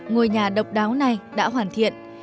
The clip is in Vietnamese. ngôi nhà độc đáo này đã hoàn thiện